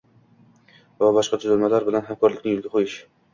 va boshqa tuzilmalar bilan hamkorlikni yo‘lga qo‘yish;